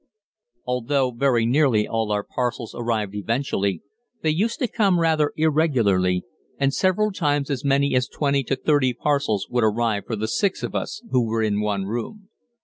Although very nearly all our parcels arrived eventually, they used to come rather irregularly, and several times as many as twenty to thirty parcels would arrive for the six of us who were in one room.